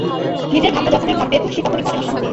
নিজের ভাবনা যখনই ভাববে তুলসী, তখনি মনে অশান্তি।